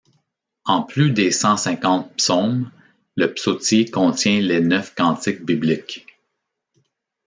En plus des cent-cinquante psaumes, le psautier contient les neuf cantiques bibliques.